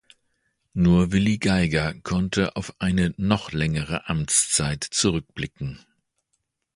Nur Willi Geiger konnte auf eine noch längere Amtszeit zurückblicken.